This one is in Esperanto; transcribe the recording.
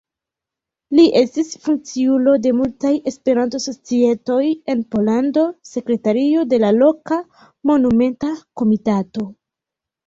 Li estis funkciulo de multaj Esperanto-Societoj en Pollando, sekretario de la Loka Monumenta Komitato.